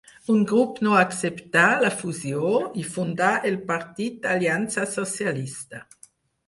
Un grup no acceptà la fusió i fundà el Partit d'Aliança Socialista.